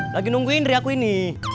lagi nunggu indri aku ini